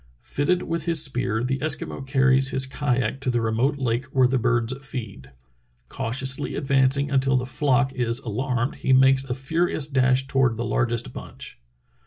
Fitted with his spear the Eskimo carries his kayak to the remote lake where the birds feed. Cau tiously advancing until the flock is alarmed, he makes a furious dash toward the largest bunch.